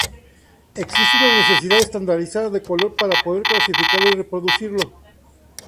Existe una necesidad de estandarizar el color para poder clasificarlo y reproducirlo.